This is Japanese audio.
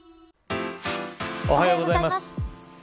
おはようございます。